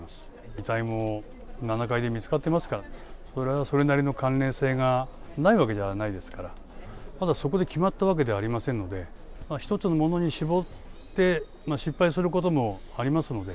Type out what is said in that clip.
遺体も７階で見つかってますから、それはそれなりの関連性がないわけではないですから、ただ、そこで決まったわけではありませんので、一つのものに絞って、失敗することもありますので。